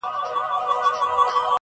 چي دا جنت مي خپلو پښو ته نسکور و نه وینم